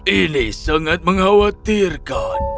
ini sangat mengkhawatirkan